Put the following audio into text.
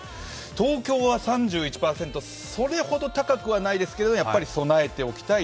東京は３１％、それほど高くはないですけどやっぱり備えておきたい